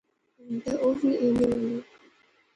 ہُن تے اوہ وی انے ہولے